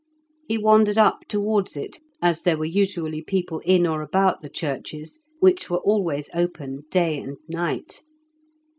He wandered up towards it, as there were usually people in or about the churches, which were always open day and night.